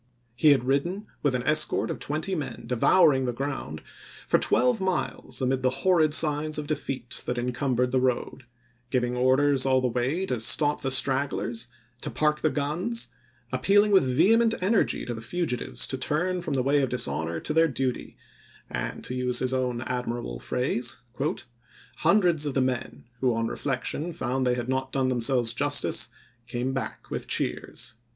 He had ridden, with an escort of twenty men, devouring the ground, for twelve miles amid the oct.iMse*. horrid signs of defeat that incumbered the road : giving orders all the way to stop the stragglers, to park the guns ; appealing with vehement energy to the fugitives to turn from the way of dishonor to their duty ; and to use his own admirable phrase, " Hundreds of the men, who on reflection found they had not done themselves justice, came back with cheers."